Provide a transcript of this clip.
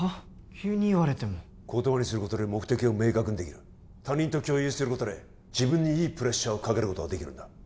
急に言われても言葉にすることで目的を明確にできる他人と共有することで自分にいいプレッシャーをかけることができるんだ